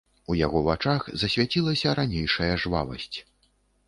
У яго вачах засвяцілася ранейшая жвавасць.